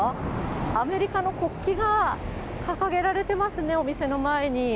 アメリカの国旗が掲げられていますね、お店の前に。